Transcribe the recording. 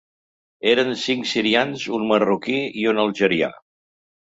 Eren cinc sirians, un marroquí i un algerià.